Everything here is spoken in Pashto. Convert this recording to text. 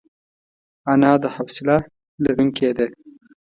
انا د حوصله لرونکې ده